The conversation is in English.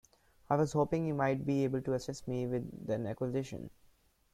I was hoping you might be able to assist me with an acquisition.